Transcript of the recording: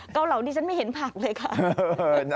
เกาเหลาดิฉันไม่เห็นผักเลยค่ะ